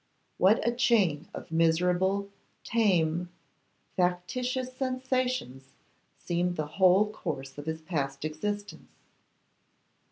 What a chain of miserable, tame, factitious sensations seemed the whole course of his past existence.